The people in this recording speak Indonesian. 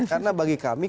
karena bagi kami